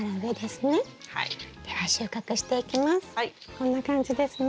こんな感じですね？